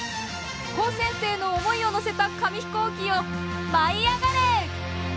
高専生の思いをのせた紙ヒコーキよ舞いあがれ！